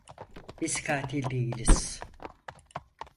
Biz katil değiliz.